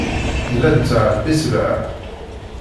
Nella nettɛebbi sselɛa.